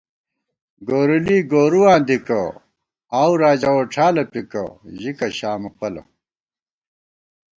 گوریلی گورُواں دِکہ ، آؤو راجا ووڄھالہ پِکہ ژِکہ شامہ پَلہ